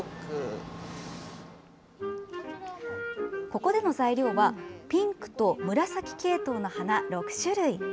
ここでの材料は、ピンクと紫系統の花６種類。